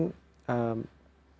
keterampilan studi yang terhadap kita